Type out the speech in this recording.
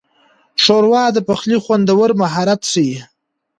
ښوروا د پخلي خوندور مهارت ښيي.